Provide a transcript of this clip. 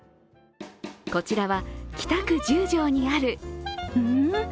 こちらは北区十条にあるん？